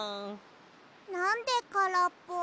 なんでからっぽ？